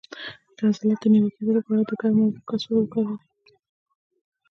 د عضلاتو د نیول کیدو لپاره د ګرمو اوبو کڅوړه وکاروئ